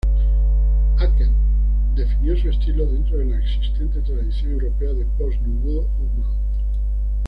Acker definió su estilo dentro de la existente tradición europea del post-nouveau roman.